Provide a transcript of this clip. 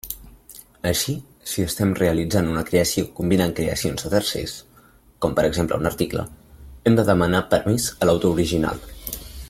Així, si estem realitzant una creació combinant creacions de tercers, com per exemple un article, hem de demanar permís a l'autor original.